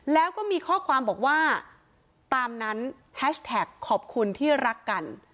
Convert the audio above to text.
แล้วก็มีข้อความบอกว่าตามนั้นแฮชแท็กขอบคุณที่รักกัน